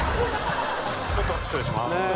ちょっと失礼しまーす。